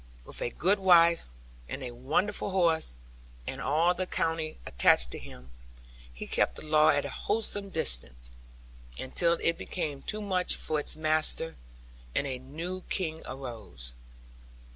With a good wife, and a wonderful horse, and all the country attached to him, he kept the law at a wholesome distance, until it became too much for its master; and a new king arose.